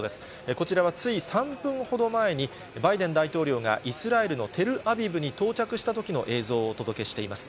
こちらはつい３分ほど前に、バイデン大統領がイスラエルのテルアビブに到着したときの映像をお届けしています。